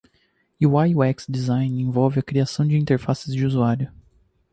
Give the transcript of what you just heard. UI/UX Design envolve a criação de interfaces de usuário.